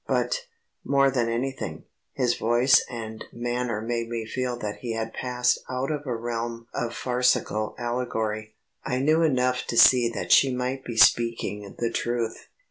But, more than anything, his voice and manner made me feel that we had passed out of a realm of farcical allegory. I knew enough to see that she might be speaking the truth.